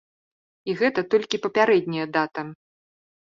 І гэта толькі папярэдняя дата.